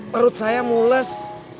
perut saya mules